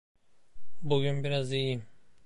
Bugün biraz iyiyim!